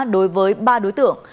đối với ba đối tượng